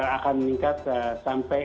akan meningkat sampai sepuluh